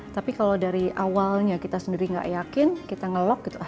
tapi kalau dari awalnya kita sendiri gak yakin kita ngelok gitu